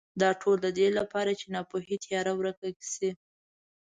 دا ټول د دې لپاره چې ناپوهۍ تیاره ورکه شي.